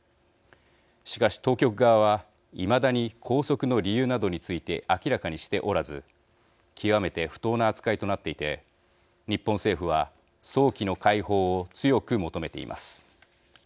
しかし、当局側はいまだに拘束の理由などについて明らかにしておらず極めて不当な扱いとなっていて日本政府は早期の解放を強く求めています。